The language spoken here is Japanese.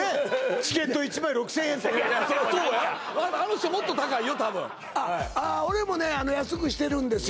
チケット１枚６０００円とそらそうやあの人もっと高いよ多分あ俺もね安くしてるんですよ